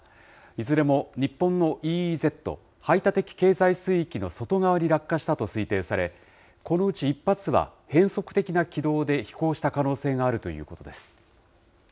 いずれも日本のＥＥＺ・排他的経済水域の外側に落下したと推定され、このうち１発は変則的な軌道で飛行した可能性があるということです。